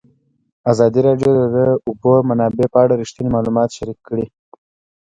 ازادي راډیو د د اوبو منابع په اړه رښتیني معلومات شریک کړي.